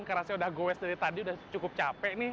karena saya sudah goes dari tadi sudah cukup capek nih